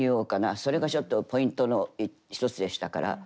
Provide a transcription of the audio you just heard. それがちょっとポイントの一つでしたから。